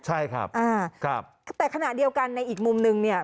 ใช่ครับอ่าครับแต่ขณะเดียวกันในอีกมุมนึงเนี่ย